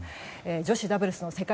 女子ダブルスの世界